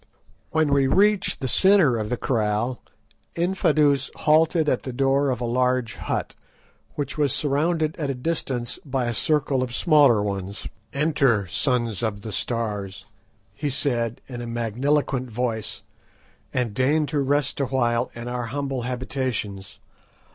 When we reached the centre of the kraal, Infadoos halted at the door of a large hut, which was surrounded at a distance by a circle of smaller ones. "Enter, Sons of the Stars," he said, in a magniloquent voice, "and deign to rest awhile in our humble habitations.